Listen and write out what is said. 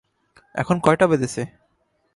এখন কয়টা বেজেছে?